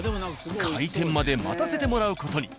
開店まで待たせてもらう事に。